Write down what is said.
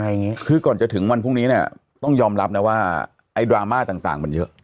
อย่างงี้คือก่อนจะถึงวันพรุ่งนี้เนี่ยต้องยอมรับนะว่าไอ้ดราม่าต่างต่างมันเยอะ